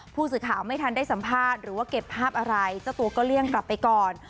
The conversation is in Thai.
ผู้สื่อข่าวไม่ทันได้สัมภาษณ์หรือว่าเก็บภาพอะไรเจ้าตัวก็เลี่ยงกลับไปก่อน